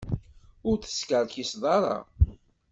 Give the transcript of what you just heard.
Ur teskerkiseḍ ara.